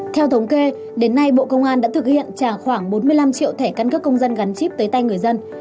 theo thống kê đến nay bộ công an đã thực hiện trả khoảng bốn mươi năm triệu thẻ căn cước công dân gắn chip tới tay người dân